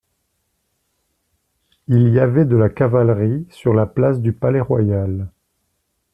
Il y avait de la cavalerie sur la place du Palais-Royal.